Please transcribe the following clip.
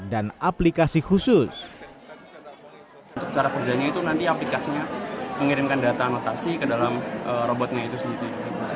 dan juga seorang penyandang yang memiliki penyandang yang lebih berkualitas